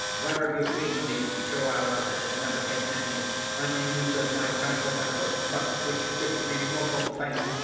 Where have you been these two hours, that you never came near me, when you knew 'twas my time to have my foot rubbed, which gives me mortal pain?"